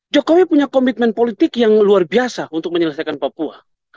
jokowi punya komitmen politik yang luar biasa untuk menyelesaikan papua